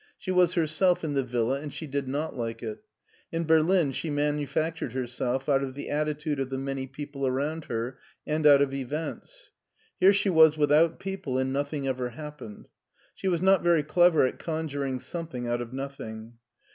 She was herself in the villa, and she did not like it. In Berlin she manu factured herself out of the attitude of the many people around her, and out of events. Here she was without people and nothing ever happened. She was not very clever at conjuring something out of nothing.